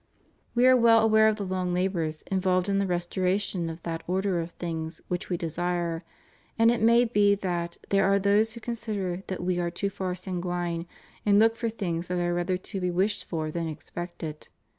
We are weU aware of the long labors involved in the restoration of that order of things which We desire; and it may be that there are those who consider that We are far too sanguine and look for things that are rather too be wished for than expected.